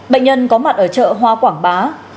bệnh nhân có mặt ở chợ hoa quảng bá